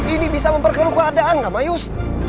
ini bisa memperkelu keadaan nggak mayus